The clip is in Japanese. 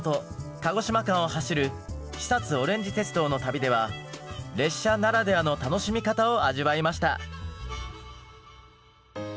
鹿児島間を走る肥おれんじ鉄道の旅では列車ならではの楽しみ方を味わいました。